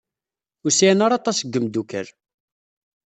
Ur sɛin ara aṭas n yimeddukal.